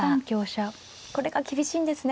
これが厳しいんですね。